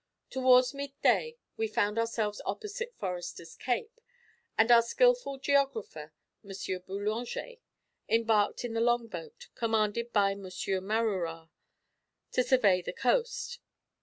Towards mid day we found ourselves opposite Forester's Cape, and our skilful geographer, M. Boullanger, embarked in the long boat, commanded by M. Maurouard, to survey the coast.